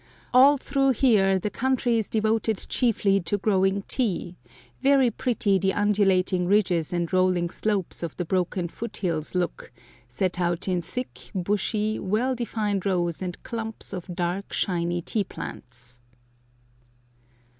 All through here the country is devoted chiefly to growing tea; very pretty the undulating ridges and rolling slopes of the broken foot hills look, set out in thick, bushy, well defined rows and clumps of dark, shiny tea plants.